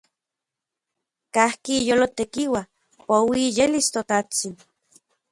Kajki iyolo tekiua, poui iyelis ToTajtsin.